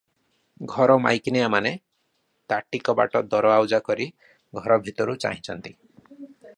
ଘର ମାଇକିନିଆମାନେ ତାଟି କବାଟ ଦରଆଉଜା କରି ଘର ଭିତରୁ ଚାହିଁଛନ୍ତି ।